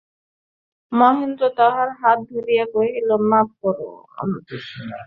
মহেন্দ্র তাহার হাত ধরিয়া কহিল, মাপ করো, আমার পরিহাস মাপ করো।